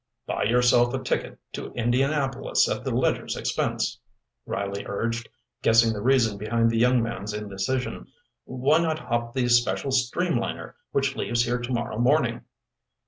"Buy yourself a ticket to Indianapolis at the Ledger's expense," Riley urged, guessing the reason behind the young man's indecision. "Why not hop the special streamliner which leaves here tomorrow morning?"